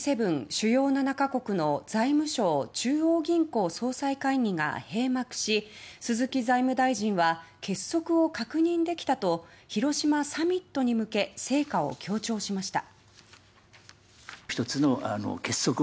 主要７か国の財務相・中央銀行総裁会議が閉幕し鈴木財務大臣は結束を確認できたと広島サミットに向け成果を強調しました。